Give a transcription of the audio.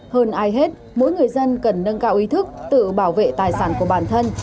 hơn ai hết mỗi người dân cần nâng cao ý thức tự bảo vệ tài sản của bản thân